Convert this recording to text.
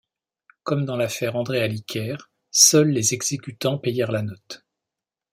Comme dans l’affaire André Aliker, seuls les exécutants payèrent la note.